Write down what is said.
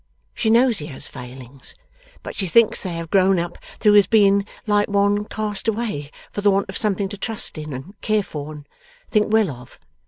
She knows he has failings, but she thinks they have grown up through his being like one cast away, for the want of something to trust in, and care for, and think well of.